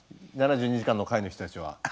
７２時間の会の人たちは。